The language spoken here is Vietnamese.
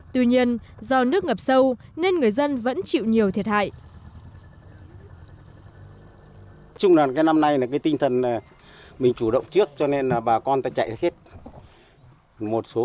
tuy nhiên do nước ngập mất điện không có nước sạch mọi sinh hoạt của người dân ở nơi đây đều bị đảo lộn